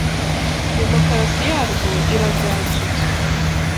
Demokarasi yarwo iraganje